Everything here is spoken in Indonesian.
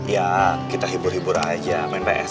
ya kita hibur hibur aja main ps